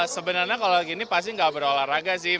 sebenarnya kalau gini pasti nggak berolahraga sih